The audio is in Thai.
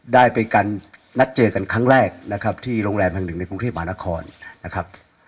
ได้ไปกันนัดเจอกันครั้งแรกนะครับที่โรงแรมแห่งหนึ่งในกรุงเทพหมานครนะครับ